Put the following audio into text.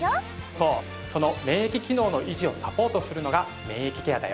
そうその免疫機能の維持をサポートするのが免疫ケアだよ